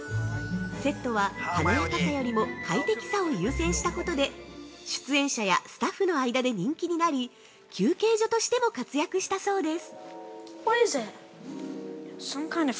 セットは、華やかさよりも快適さを優先したことで、出演者やスタッフの間で人気になり、休憩所としても活躍したそうです。